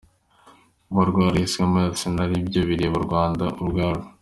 Kuba rwarahismeo Arsenal, ibyo bireba u Rwanda ubwarwo.